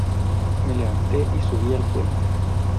me levanté y subí al puente.